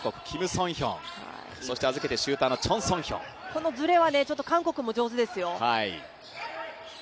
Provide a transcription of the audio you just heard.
このずれは韓国も上手ですよ。